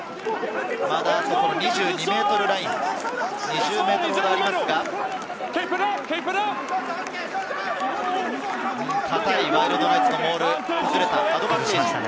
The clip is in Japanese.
まだ２２ｍライン、２０ｍほどありますが、堅いワイルドナイツのモールが崩れた、アドバンテージ。